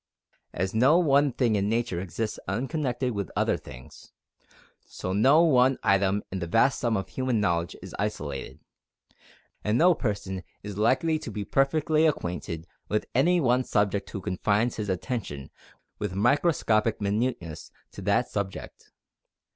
As no one thing in nature exists unconnected with other things, so no one item in the vast sum of human knowledge is isolated, and no person is likely to be perfectly acquainted with any one subject who confines his attention with microscopic minuteness to that subject.